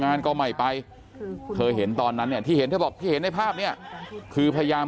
งานก็ไม่ไปเคยเห็นตอนนั้นที่เห็นในภาพเนี่ยคือพยายาม